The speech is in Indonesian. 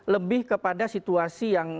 lebih kepada situasi yang